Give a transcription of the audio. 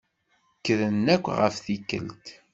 Kkren akk ɣef tikkelt.